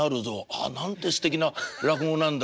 ああなんてすてきな落語なんだ。